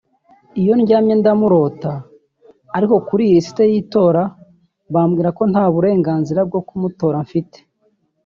Iyo ndyamye ndamutora ariko kuri lisiti z’itora bambwira ko nta burenganzira bwo kumutora mfite